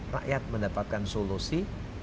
rakyat mendapatkan solusi